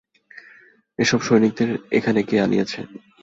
এ সব সৈন্যদের এখানে কে আনিয়াছে?